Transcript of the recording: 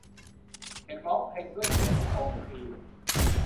เด็กร้องเพลงด้วยเสียงไม่ตรงคีย์